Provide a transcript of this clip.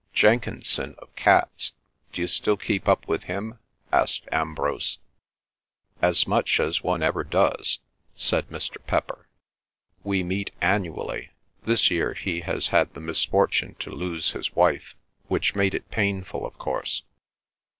"Jenkinson of Cats—d'you still keep up with him?" asked Ambrose. "As much as one ever does," said Mr. Pepper. "We meet annually. This year he has had the misfortune to lose his wife, which made it painful, of course."